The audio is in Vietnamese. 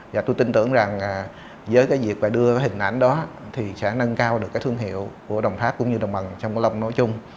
và tôi tin tưởng rằng với việc đưa hình ảnh đó thì sẽ nâng cao được thương hiệu của đồng tháp cũng như đồng bằng trong lòng nói chung